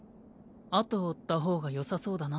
後を追った方がよさそうだな。